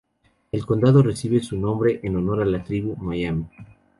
El condado recibe su nombre en honor a la tribu Miami.